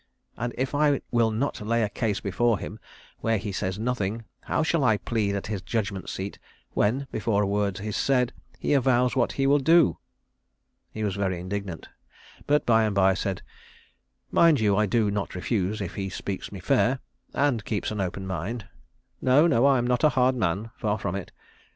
And if I will not lay a case before him where he says nothing, how shall I plead at his judgment seat when, before a word said, he avows what he will do?" He was very indignant; but by and by he said, "Mind you, I do not refuse if he speaks me fair, and keeps an open mind. No, no. I am not a hard man, far from it.